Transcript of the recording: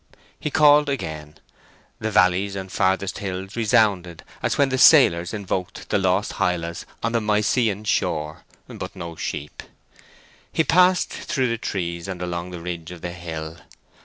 He called again: the valleys and farthest hills resounded as when the sailors invoked the lost Hylas on the Mysian shore; but no sheep. He passed through the trees and along the ridge of the hill.